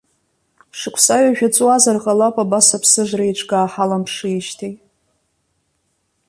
Шықәса ҩажәа ҵуазар ҟалап абас аԥсыжра еиҿкаа ҳаламԥшижьҭеи.